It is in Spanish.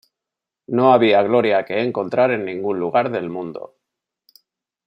No había gloria que encontrar en ningún lugar del mundo.